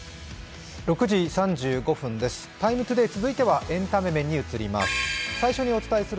「ＴＩＭＥ，ＴＯＤＡＹ」、続いてはエンタメ面に移ります。